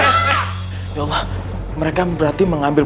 ya allah mereka berarti mengambil